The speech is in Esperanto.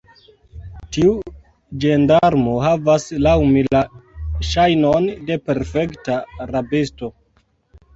Tiu ĝendarmo havas, laŭ mi, la ŝajnon de perfekta rabisto.